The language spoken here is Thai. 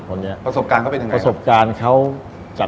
ประสบการณ์เขาเป็นยังไงครับ